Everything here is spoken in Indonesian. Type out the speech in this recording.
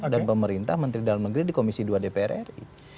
dan pemerintah menteri dalam negeri di komisi dua dpr ri